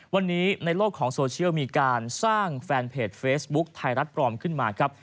วันนี้ในโลกของโซเชียลมีการสร้างแฟนเพจเฟซบุ๊คไทยรัฐปลอมขึ้นมาครับ